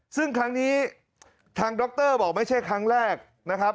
ซึ่งครั้งนี้ทางดรบอกไม่ใช่ครั้งแรกนะครับ